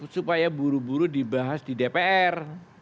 supaya buru buru dibahas di dpr